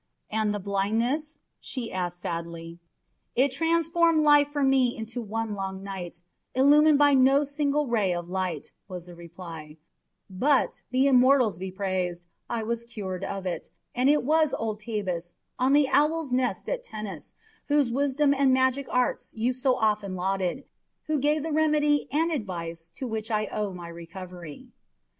"And the blindness?" she asked sadly. "It transformed life for me into one long night, illumined by no single ray of light," was the reply; "but, the immortals be praised, I was cured of it, and it was old Tabus, on the Owl's Nest at Tennis, whose wisdom and magic arts you so often lauded, who gave the remedy and advice to which I owe my recovery."